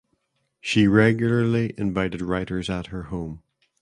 She regularly invited writers at her home.